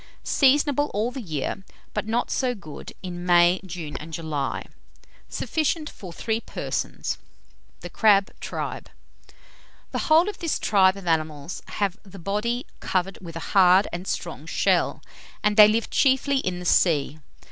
Seasonable all the year; but not so good in May, June, and July. Sufficient for 3 persons. [Illustration: THE CRAB.] THE CRAB TRIBE. The whole of this tribe of animals have the body covered with a hard and strong shell, and they live chiefly in the sea.